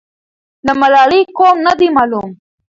د ملالۍ قوم نه دی معلوم.